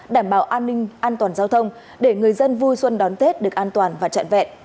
đảm bảo an ninh an toàn giao thông để người dân vui xuân đón tết được an toàn và trọn vẹn